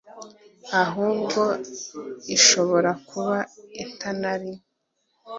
ahubwo ishobora kuba itanari